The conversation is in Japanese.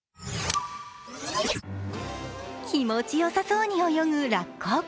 気持ちよさそうに泳ぐラッコ。